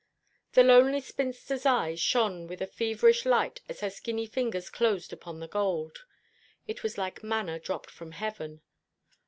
The lonely spinster's eyes shone with a feverish light as her skinny fingers closed upon the gold. It was like manna dropped from heaven.